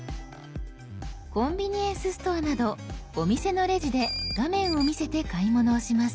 コンビニエンスストアなどお店のレジで画面を見せて買い物をします。